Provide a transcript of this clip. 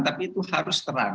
tapi itu harus terang